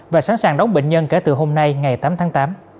và sẵn sàng đón bệnh nhân kể từ hôm nay ngày tám tháng tám